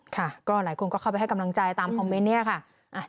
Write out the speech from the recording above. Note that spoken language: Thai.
ค่ะก็หลายคนก็เข้าไปให้กำลังใจตามคอมเมนต์เนี่ยค่ะ